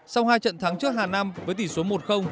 sau hai trận thắng trước hà nam với tỷ số một